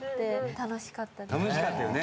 楽しかったよね。